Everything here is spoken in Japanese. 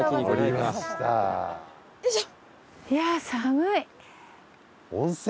いやあ寒い。